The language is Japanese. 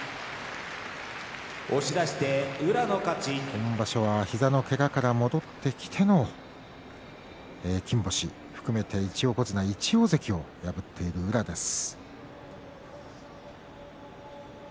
今場所は膝のけがから戻ってきての金星を含めて１横綱１大関を破っている宇良です。